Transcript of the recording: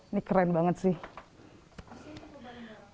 ini keren banget sih